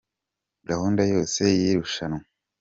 Gahunda yose y’irushanwa